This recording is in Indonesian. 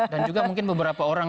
dan juga mungkin beberapa orang